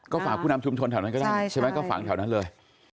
ฝากผู้นำชุมชนแถวนั้นก็ได้ใช่ไหมก็ฝากแถวนั้นเลย